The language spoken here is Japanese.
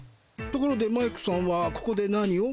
ところでマイクさんはここで何を？